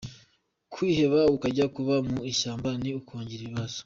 Kwiheba ukajya kuba mu ishyamba, ni ukongera ibibazo.